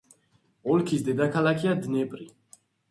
ოლქის დედაქალაქია დნეპრი.